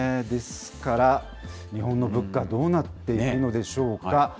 ですから、日本の物価、どうなっていくのでしょうか。